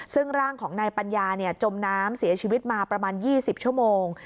ซึ่งร่างของนายปัญญาจมน้ำเสียชีวิตมาประมาณ๒๐ชั่วโมง